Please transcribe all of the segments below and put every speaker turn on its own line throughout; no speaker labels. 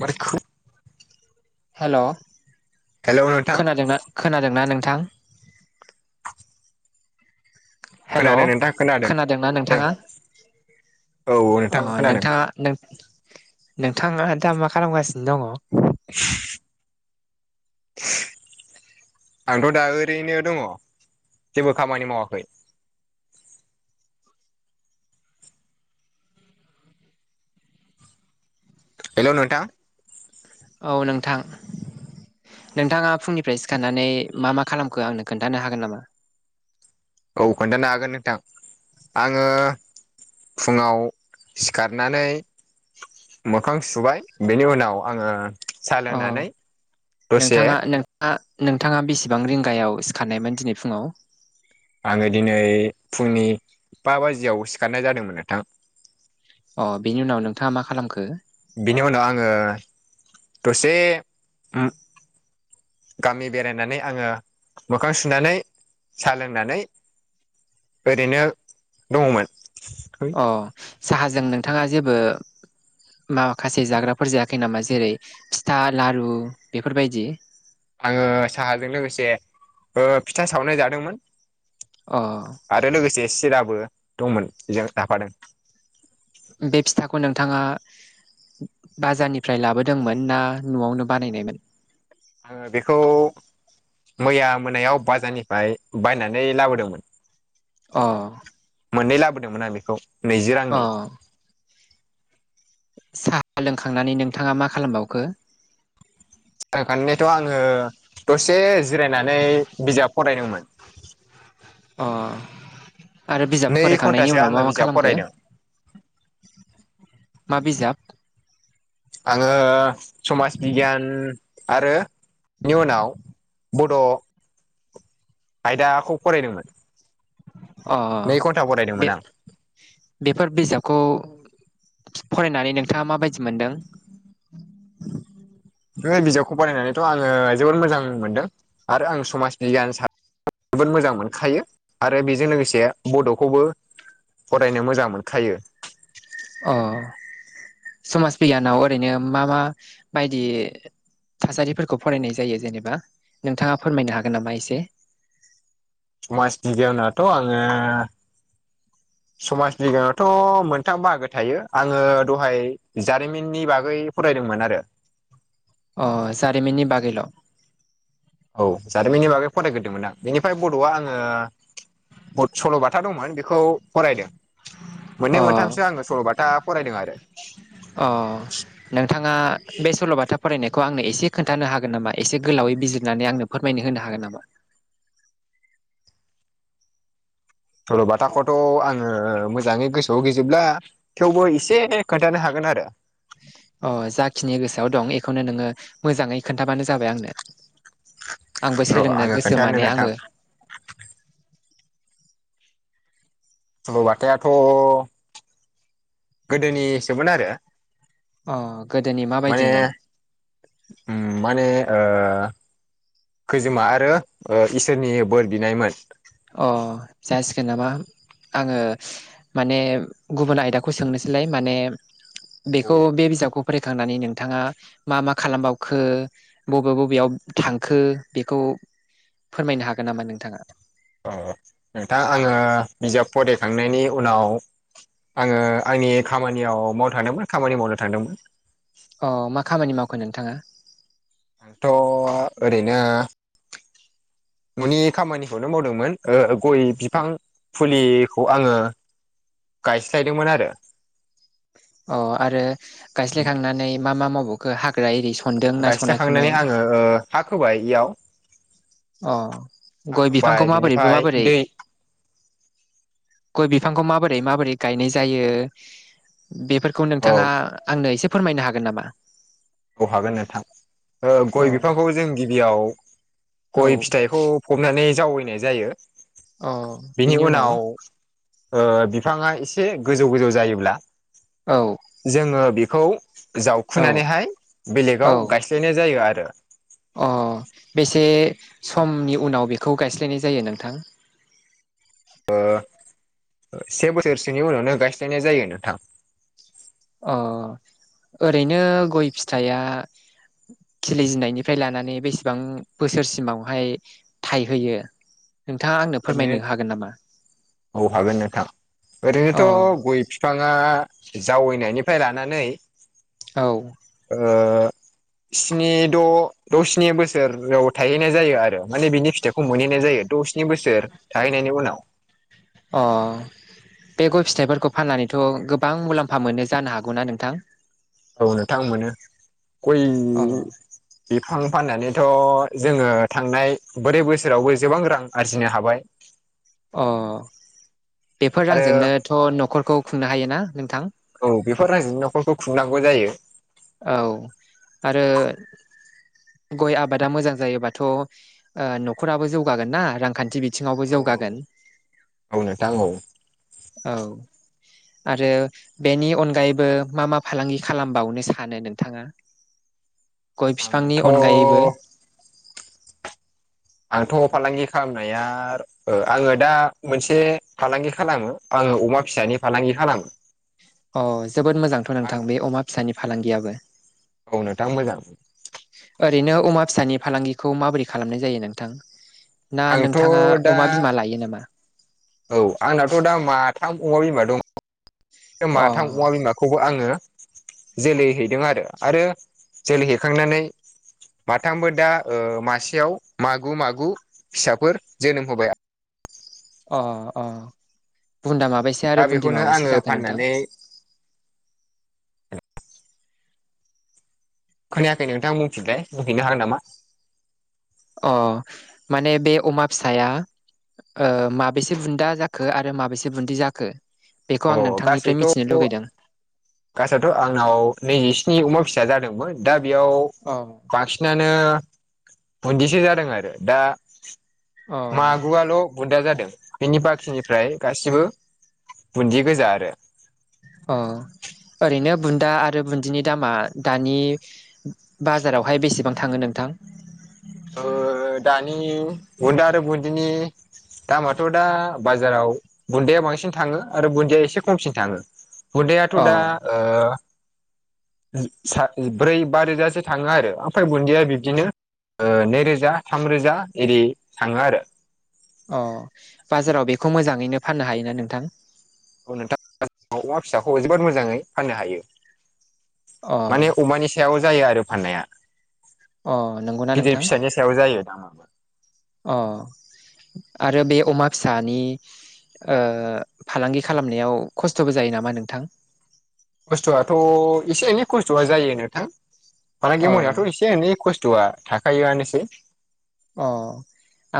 म
हेल'
हेल' नोंथां
खोनादोंना खोनादोंना नोंथां। हेल'
खोनादों नोंथां खोनादों
खोनादोंना नोंथाङा
औ औ
अ
नोंथां खोनादों
नोंथाङा नोंथाङा दा मा खालामगासिनो दङ
आंथ' दा ओरैनो दङ जेबो खामानि मावाखै। हेल' नोंथां
औ नोंथां नोंथाङा फुंनिफ्राय सिखारनानै मा मा खालामखो आंनो खोन्थानो हागोन नामा।
औ खोन्थानो हागोन नोंथां आङो फुङाव सिखारनानै मोखां सुबाय बेनि उनाव आङो साहा
अ
लोंनानै दसे
नोंथाङा नोंथाङा बेसेबां रिंगायाव सिखारनायमोन दिनै फुङाव?
आङो दिनै फुंनि बा बाजियाव सिखारनाय जादोंमोन नोंथां।
अ बिनि उनाव नोंथाङा मा खालामखो?
बिनि उनाव आङो दसे उम गामि बेरायनानै आङो मोखां सुनानै साहा लोंनानै ओरैनो दङमोन
अ साहाजों नोंथाङा जेबो माखासे जाग्राफोर जायाखै नामा जेरै फिथा लारु बेफोरबायदि
आङो साहाजों लोगोसे फिथा ओ सावनाय जादोंमोन
अ
आरो लोगोसे सिराबो दंमोन बेजों जाफादों।
बे फिथाखौ नोंथाङा बाजारनिफ्राय लाबोदोंमोन ना न'आवनो बानायनायमोन?
ओ बेखौ मैया मोनायाव बाजारनिफ्राय बायनानै लाबोदोंमोन
अ
मोननै लाबोदोंमोन आं बेखौ नैजि
अ
रांनि
साहा लोंखांनानै नोंथाङा मा खालामबावखो?
ओखनोथ' आङो दसे जिरायनानै बिजाब फरायदोंमोन
अ आरो बिजाब
नै घन्टासो
फरायखांनायनि उनाव
आङो
मा मा
बिजाब
खालामखो?
फरायदों
माबिजाब?
आङो समाज बिगियान आरो इनिउनाव बड' आयदाखौ फरायदोंमोन
अ
नै घन्टा फरायदोंमोन
दे
आं
बेफोर बिजाबखौ फरायनानै नोंथाङा माबायदि मोनदों?
ओ बिजाबखौ फरायनानैथ' आङो जोबोद मोजां मोनदों आरो आं समाज बिगियान जोबोद मोजां मोनखायो आरो बेजों लोगोसे बड'खौबो फरायनो मोजां मोनखायो
अ समाज बिगियानाव ओरैनो मा मा बायदि थासारिफोरखौ फरायनाय जायो जेनेबा नोंथाङा फोरमायनो हागोन नामा एसे।
समास बिगियानाथ' आङो समाज बिगियानावथ' मोनथाम बाहागो थायो आङो दहाय जारिमिननि बागै फरायदोंमोन आरो
अ जारिमिननि बागैल'
औ जारिमिननि बागै फरायग्रोदोंमोन आं बेनिफ्राय बडआ आङो बहुत सलबाथा दंमोन बेखौ फरायदों मोननै
अ
मोनथामसो आङो सल बाथा फरायदों आरो
अ नोंथाङा बे सल'बाथा फरायनायखौ आंनो एसे खोन्थानो हागोन नामा एसे गोलावै बिजिरनानै आंनो फोरमायनो होनो हागोन नामा?
सल'बाथाखौथ' आङो मोजाङै गोसो ज' गिजोबब्ला थेवबो एसे खोन्थानो हागोन आरो
अ जाखिनि गोसोआव दं एखौनो नोङो मोजाङै खोनन्थाबानो जाबाय आंनो आंबो
र
सोलोंनो
आं
गोसो
खोनथानो
माने
नोंथा
आंबो
सलबाथायाथ गोदोनिसोमोन आरो
अ गोदोनि
माने
माबायदिमोन
उम माने ओ खैजोमा आरो इसोरनि बोर बिनायमोन
अ जासिगोन नामा? आङो माने गुबुन आयदाखौ सोंनोसैलाय माने
औ
बेखौ बे बिजाबखौ फरायखांनानै नोंथाङा मा मा खालामबावखो? बबे बबेयाव थांखो बेखौ फोरमायनो हागोन नामा नोंथाङा?
औ नोंथां आङो बिजाब फरायखांनायनि उनाव आङो आंनि खामानियाव मावनो थांदोंमोन खामानि मावनो थांदोंमोन
अ मा खामानि मावखो नोंथाङा?
आंथ ओरैनो ननि खामानिखौनो मावदोंमोन ओ गय बिफां फुलिखौ आङो गायस्लायदोंमोन आरो
अ आरो गायस्लायखांनानै मा मा मावबावखो हाग्रा एरि सनदों ना सनााखैमोन?
हाखोबाय इयाव
अ
हा
गय
खोबाय
बिफांखौ माबोरै
बिनिफ्राय
माबोरै
दै
गय बिफांखौ माबोरै माबोरै गायनाय जायो बेफोरखौ
अ
नोंथाङा आंनो एसे फोरमायनो हागोन नामा?
औ हागोन नोंथां ओ
अ
गय बिफांखौ जों गिबियाव गय
औ
फिथाइखौ फबनानै जावैनाय जायो
अ
बेनि
बिनि
उनाव ओ बिफाङा एसे गोजौ गोजौ जायोब्ला
औ
जोङो बेखौ
औ
जावखुनानैहाय
औ
बेलेगाव गायस्लायनाय जायो आरो
अ बेसे समनि उनाव बेखौ गायस्लायनाय जायो नोंथां
ऐ से बोसोरसोनि उनावनो गायस्लायनाय जायो नोंथां
अ ओरैनो गय फिथाइया खिलिजेननायनिफ्राय लानानै बेसेबां बोसोरसिमावहाय थाइहोयो नोंथाङा आंनो फोरमायनो हागोन नामा
ओरैनो औ हागोन नोंथां
अ
ओरैनोथ गय फि बिफाङा जावैनायनिफ्राय लानानै
औ
ओ स्नि द द स्नि बोसोराव थायहैनाय जायो आरो माने बिनि फिथाइखौ मोनहैनाय जायो द स्नि बोसोर थाहैनायनि उनाव
अ बे गय फिथफोरखौ फाननानैथ गोबां मुलाम्फा मोनो जानो हागौना नोंथां
औ नोंथां मोनो गय
अ
बिफां फाननानैथ जोङो थांनाय ब्रै बोसोरावबो गोबां रां आरजिनो हाबाय
अ बेफोर
आरो
रांजोंनोथ न'खरखौ खुंनो हायोना नोंथां?
औ बेफोर रांजोनि नखरखौ खुंनांगौ जायो
औ आरो गय आबादा मोजां जायोबाथ नखराबो जौगागोननाा रांखान्थि बिथ
औ औ औ औ नोथां औ
औ आरो बेनि अनगायैबो मा मा फालांगि खालामबावनो सानो नोंथाङा? गय बिफांनि
आंथ'
अनगायैबो
आंथ' फालांगि खालामनाया आङो दा मोनसे फालांगि खालामो आङो अमा फिसानि फालांगि खालामो
अ जोबोद मोजांथ'
आं
नोंथां बे अमा फिसानि फालांगियाबो
औ नोंथां मोजां
ओरैनो अमा फिसानि फालांगिखौ माबोरै खालामनाय जायो नोंथां? ना
आंथ'
नोंथाङा
दा
अमा बिमा लायो नामा?
औ आंनाथ' दा माथाम अमा बिमा दं
अ
माथाम अमा बिमाखौबो आङो जोलै हैदों आरो आरो जोलै हैैखांनानै माथामबो दा ओ मासेयाव मागु मागु फिसाफोर जोनोम होबाय
अ अ बुन्दा माबैसे
दा
आरो बुन्दि
बेखौनो आङो
माबायसे जाखो नोंथां?
फाननानै खोनायाखै नोंथां बुंफनलबाय बुंफैनो हागोन नामा?
अ माने बे अमा फिसाया ओ माबेसे बुन्दा जाखो आरो माबेसे बुदि जाखो? बेखौ आं
अ
नोंथांनिफ्राय मिथिनो लुगैदों
गासैयावथ' आंनाव नैजिस्नि अमा फिसा जादोंमोन दा बेयाव
अ
बांसिनानो बुन्दिसोजादों आरो दा
अ
मागुआल' बुन्दा जादों बेनि बाखिनिफ्राय गासिबो बुन्दि गोजा आरो
अ ओरैनो बुन्दा आरो बुन्दिनि दामा दानि बाजारावहाय बेसेबां थाङो नोंथां?
ओ दानि बुन्दा आरो बुन्दिनि दामाथ' दा बाजाराव बुन्न्दया बांसिन थाङो आरो बुन्दिया एसे खमसिन थाङो। हुदायाथ'
अ
दा साथ ब्रै बा रोजासो थाङो आरो ओमफ्राय बुन्दिैया बिब्दिनो नैरोजा थामरोजा एरि थाङो आरो
अ बाजाराव बेखौ मोजाङैनो फाननो हायोना नोंथां?
नोंथा अमा फिसाखौ जोबोद मोजाङै फाननो हायो
अ
माने अमानि सायाव जायो आरो फाननाया
अ नंगौना
गिदिर
नोंथां
फिसानि सायाव जायो दामाबो
अ आरो बे अमा फिसानि ओ फालांगि खालामनायाव खस्थ'बो जायो नामा नोंथां?
खस्थ'आथ' एसे एनै खस्थ'आ जायो नोंथां
अ
मालांगे मावनायाथ' एसे एनै खस्थ'आ थाखायोआनोसै
अ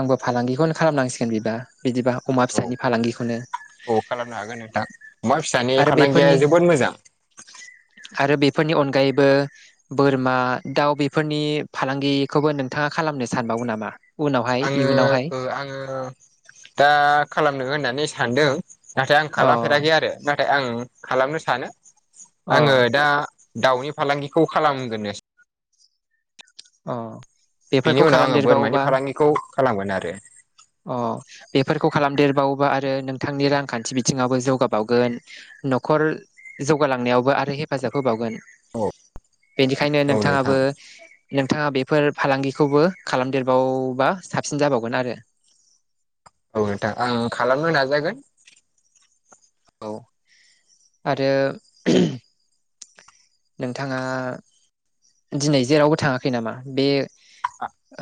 आंबो फालांगिखौनो खालामनांसिगोन बिबा बिदिबा अमा
औ
फिसानि फालांगिखौनो
औ खालामनो हागोन नोंथां अमा फिसानि
आरो
फालांगिया
बेफोरनि
जोबोद मोजां।
आरो बेफोरनि अनगायैबो बोरमा, दाउ बेफोरनि फालांगिखौबो नोंथाङा खालामनो सानबावो नामा? उनावहाय
आङो
इयुनावहाय
ओ आङो दा खालामनो होननानै सानदों नाथाय आं
अ
खालामफेराखै आरो नाथाय आं खालामनो सानो
अ
आङो दा दाउनि फालांगिखौ खालामगोननो
अ बेफोरखौ
बेनि उनाव आङो बोरमानि
खालामदेरबावोबा
फालांगिखौ खालामगोन आरो
अ बेफोरखौ खालामदेरबावोबा आरो नोंथांनि रांखान्थि बिथिङाबबो जौगाबावगोन न'खर जौगालांनायावबो आरो हेफाजाब होबावगोन
औ
बेनिखायनो
औ नोंथां
नोंथाङाबो नोंथाङा बेफोर फालांगिखौबो खालामदेरबावबा साबसिन जाबावगोन आरो
औ नथा आं खालामनो नाजागोन
औ आरो [unintelligible] नोंथाङा दिनै जेरावबो थाङाखै नामा बे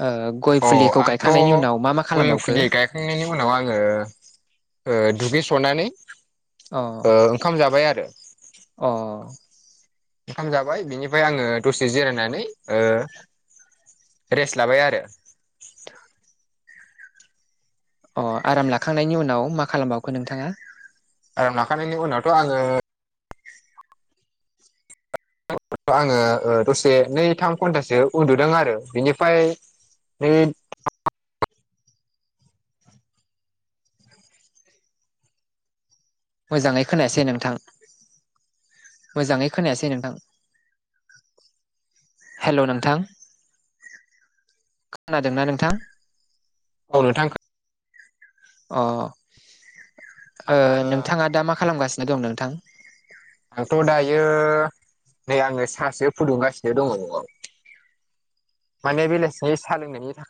ओ गय
अ
फुलिखौ गायखांनायनि उनाव मा मा खालामबावखो?
थखांनायनि उनाव आङो दुब्लि सनानै
अ
ओंखाम जाबाय आरो
अ
ओंखाम जाबाय बिनिफ्राय आङो दसे जिरायनानै रेस्ट लाबाय आरो
अ आराम लाखांनायनि उनाव मा खालामबावखो नोंथाङा
आराम लाखानायनायनि उनावथ' आङो आङो दसे नै थाम घन्टासो उन्दुदों आरो बिनिफ्राय बे
मोजाङै खोनायासै नोंथां मोजाङै खोनायासै नोंथां हेल' नोंथां खोनादोंना नोंथां
औ नोंथां
अ
आङो
नोंथाङा ओ दा मा खालामगासिनो दं नोंथां
आंथ' दायो नै आङो सासे फुदुंगासिनो दङ न'आव माने बेलासिनि सा लों